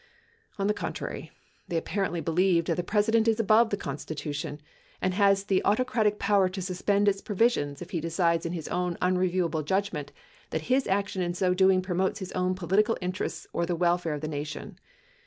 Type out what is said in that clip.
On the contrary, they apparently believed that the President is above the Constitution, and has the autocratic power to suspend its provi sions if lie decides in his own unreviewable judgment that his action in so doing promotes his own political interests or the welfare of the Nation.